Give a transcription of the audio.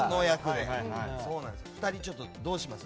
２人、どうします？